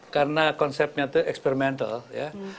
karena konsepnya itu eksperimental ya